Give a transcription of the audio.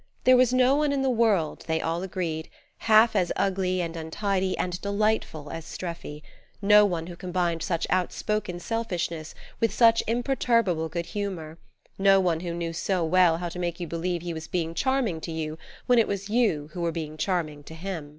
There was no one in the world, they all agreed, half as ugly and untidy and delightful as Streffy; no one who combined such outspoken selfishness with such imperturbable good humour; no one who knew so well how to make you believe he was being charming to you when it was you who were being charming to him.